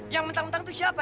yang mentang mentang itu siapa